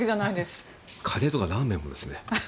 カレーとかラーメンもですね。